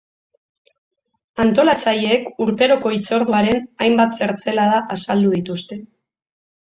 Antolatzaileek urteroko hitzorduaren hainbat zertzelada azaldu dituzte.